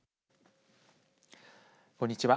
こんにちは。